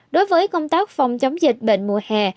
đối với công tác phòng chống dịch bệnh mùa hè